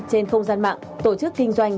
trên không gian mạng tổ chức kinh doanh